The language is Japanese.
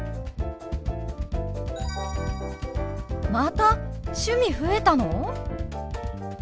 また趣味増えたの！？